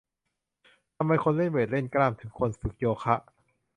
ทำไมคนเล่นเวต เล่นกล้าม ถึงควรฝึกโยคะ